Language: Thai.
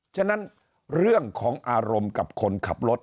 ฉะนั้นเรื่องของอารมณ์กับคนขับรถ